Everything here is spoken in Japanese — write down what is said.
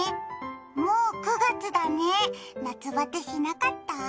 もう９月だね、夏バテしなかった？